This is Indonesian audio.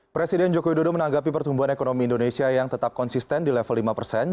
presiden joko widodo menanggapi pertumbuhan ekonomi indonesia yang tetap konsisten di level lima persen